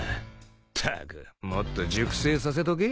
ったくもっと熟成させとけ。